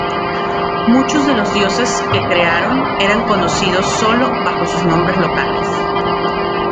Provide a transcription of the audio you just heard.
Muchos de los dioses que crearon, eran conocidos sólo bajo sus nombres locales.